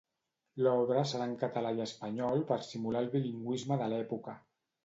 L'obra serà en català i espanyol per simular el bilingüisme de l'època.